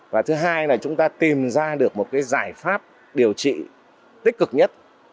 và thứ hai là chúng ta tìm ra được một giải pháp điều trị tích cực nhất